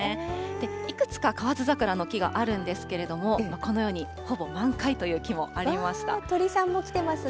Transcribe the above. いくつか河津桜の木があるんですけれども、このように、鳥さんも来てますね。